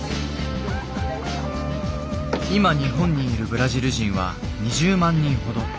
今日本にいるブラジル人は２０万人ほど。